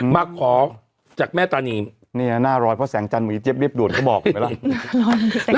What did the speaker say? มาขอจากแม่ตานีเนี่ยหน้าร้อยเพราะแสงจันทร์มีเจี๊ยเรียบด่วนเขาบอกไหมล่ะ